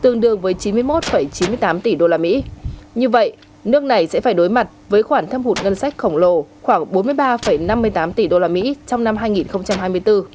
như vậy nước này sẽ phải đối mặt với khoản thâm hụt ngân sách khổng lồ khoảng bốn mươi ba năm mươi tám tỷ usd trong năm hai nghìn hai mươi bốn